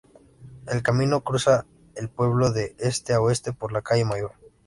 El Camino cruza el pueblo de este a oeste por la calle Mayor.